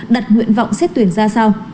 đặt nguyện vọng xét tuyển ra sao